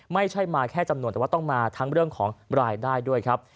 ไม่ใช่มาแค่จำนวนแต่ว่าต้องมาทั้งเรื่องของรายได้ด้วยครับ